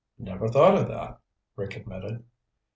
"Never thought of that," Rick admitted.